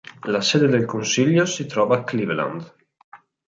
La sede del consiglio si trova a Cleveland.